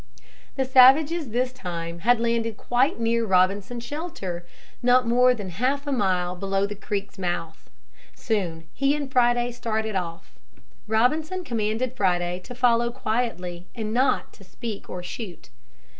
The savages this time had landed quite near Robinson's shelter, not more than a half mile below the creek's mouth. Soon he and Friday started off. Robinson commanded Friday to follow quietly and not to speak or shoot.